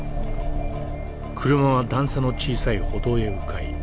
車は段差の小さい歩道へう回。